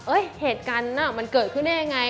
เอ่ยเหตุการณ์อะมันเกิดขึ้นยังไง